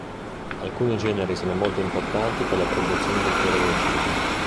Alcuni generi sono molto importanti per la produzione di fiori recisi.